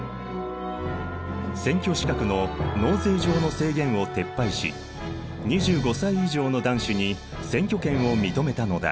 選挙資格の納税上の制限を撤廃し２５歳以上の男子に選挙権を認めたのだ。